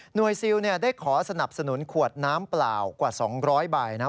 หน่วยซิลได้ขอสนับสนุนขวดน้ำเปล่ากว่า๒๐๐บาทนะ